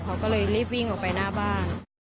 เขาก็เลยรีบวิ่งออกไปหน้าบ้าน